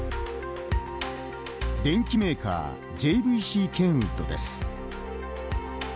電機メーカーＪＶＣケンウッドです。